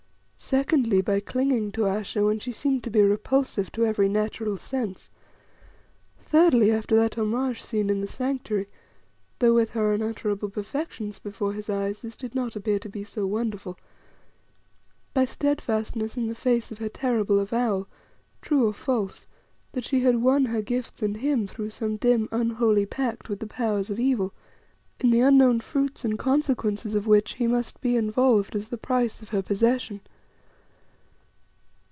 Secondly, by clinging to Ayesha when she seemed to be repulsive to every natural sense. Thirdly, after that homage scene in the Sanctuary though with her unutterable perfections before his eyes this did not appear to be so wonderful by steadfastness in the face of her terrible avowal, true or false, that she had won her gifts and him through some dim, unholy pact with the powers of evil, in the unknown fruits and consequences of which he must be involved as the price of her possession.